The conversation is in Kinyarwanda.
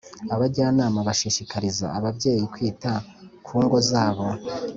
abajyanama bashishikariza ababyeyi kwita kungo zabo